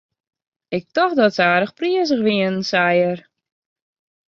Ik tocht dat se aardich prizich wienen, sei er.